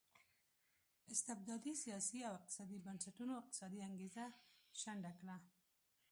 استبدادي سیاسي او اقتصادي بنسټونو اقتصادي انګېزه شنډه کړه.